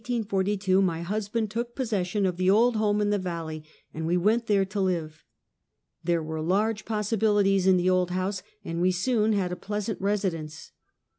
In April, 1842, my husband took possession of the old home in the valley, and we went there to live. There were large possibilities in the old house, and we soon had a pleasant residence.